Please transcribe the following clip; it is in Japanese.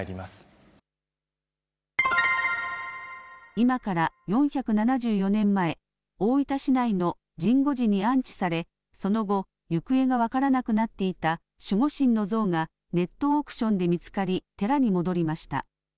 今から４７４年前大分市内の神護寺に安置されその後、行方が分からなくなっていた守護神の像がネットオークションで見つかり寺に戻りました。